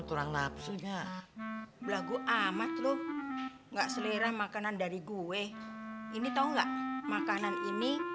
kurang nafsunya belah gua amat lu enggak selera makanan dari gue ini tahu enggak makanan ini